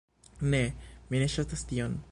Ne! Mi ne ŝatas tion.